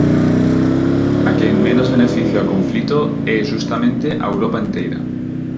A quen menos beneficia o conflito é xustamente a Europa enteira.